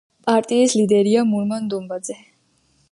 პარტიის ლიდერია მურმან დუმბაძე.